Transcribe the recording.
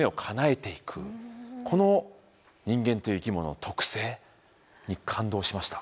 この人間という生き物の特性に感動しました。